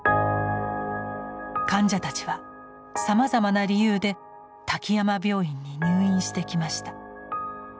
患者たちはさまざまな理由で滝山病院に入院してきました。